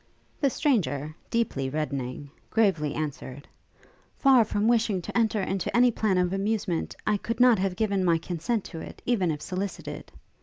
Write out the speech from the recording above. The stranger, deeply reddening, gravely answered, 'Far from wishing to enter into any plan of amusement, I could not have given my consent to it, even if solicited.'